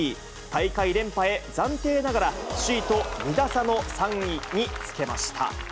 大会連覇へ暫定ながら首位と２打差の３位につけました。